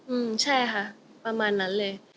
อืมใช่ค่ะประมาณนั้นเลย